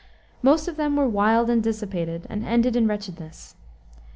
Most of them were wild and dissipated, and ended in wretchedness.